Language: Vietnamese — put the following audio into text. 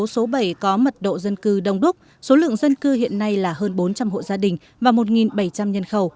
số bảy có mật độ dân cư đông đúc số lượng dân cư hiện nay là hơn bốn trăm linh hộ gia đình và một bảy trăm linh nhân khẩu